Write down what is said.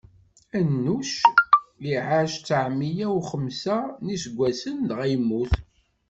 Anuc iɛac tteɛmeyya u xemsa n iseggasen, dɣa yemmut.